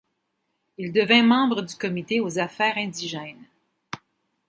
Il devint membre du Comité aux Affaires indigènes.